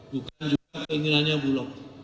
bukan juga keinginannya bulog